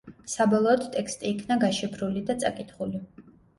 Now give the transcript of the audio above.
საბოლოოდ ტექსტი იქნა გაშიფრული და წაკითხული.